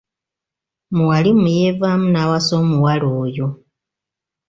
Muwalimu yeevaamu n’awasa omuwala oyo.